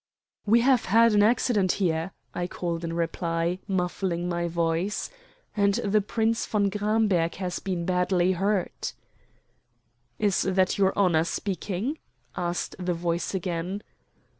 "We have had an accident here," I called in reply, muffling my voice; "and the Prince von Gramberg has been badly hurt." "Is that your Honor speaking?" asked the voice again.